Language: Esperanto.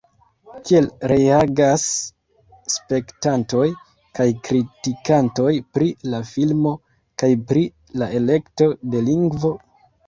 Kiel reagas spektantoj kaj kritikantoj pri la filmo, kaj pri la elekto de lingvo?